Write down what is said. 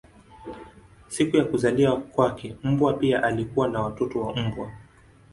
Siku ya kuzaliwa kwake mbwa pia alikuwa na watoto wa mbwa.